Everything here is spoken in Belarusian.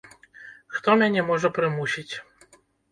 Хто мяне можа прымусіць?